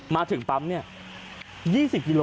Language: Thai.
มาถึงปั๊ม๒๐กิโล